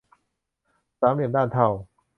สามเหลี่ยมด้านเท่า